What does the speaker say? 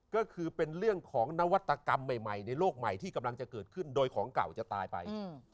ก็คือเป็นเรื่องของนวัตกรรมใหม่ในโลกใหม่ที่กำลังจะเกิดขึ้นโดยของเก่าจะตายไป